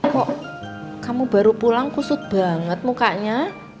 kok kamu baru pulang kusut banget mukanya